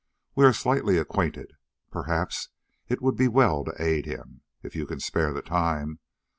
We are slightly acquainted. Perhaps it would be well to aid him, if you can spare the time.